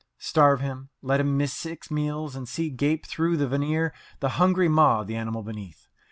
Starve him, let him miss six meals, and see gape through the veneer the hungry maw of the animal beneath.